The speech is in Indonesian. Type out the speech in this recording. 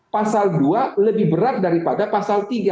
pasal dua lebih berat daripada pasal tiga